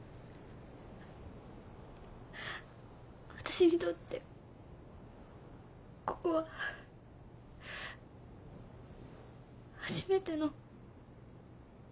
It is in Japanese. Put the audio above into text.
わたしにとってここは初めての。